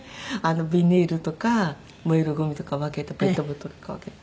ビニールとか燃えるごみとか分けてペットボトルとか分けて。